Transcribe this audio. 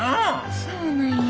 そうなんや。